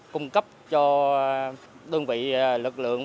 cung cấp cho đơn vị lực lượng